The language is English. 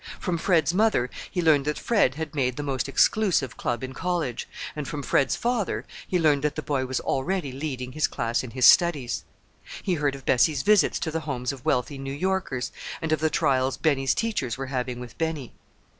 From Fred's mother he learned that Fred had made the most exclusive club in college, and from Fred's father he learned that the boy was already leading his class in his studies. He heard of Bessie's visits to the homes of wealthy New Yorkers, and of the trials Benny's teachers were having with Benny.